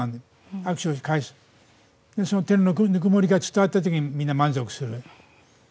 握手を返す、その手のぬくもりが伝わった時に、みんな満足する。